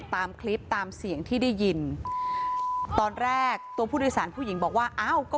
ตามคลิปตามเสียงที่ได้ยินตอนแรกตัวผู้โดยสารผู้หญิงบอกว่าอ้าวก็